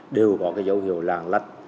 đều có dấu hiệu làng lách